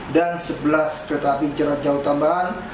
dan sebelas kereta api jalan jauh tambahan